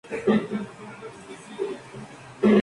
No suele presentar abundancias grandes.